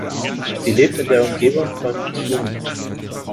Sie lebt in der Umgebung von Tjumen.